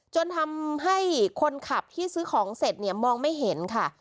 จนทำให้คนขับที่ซื้อของเสร็จเนี่ยมองไม่เห็นค่ะ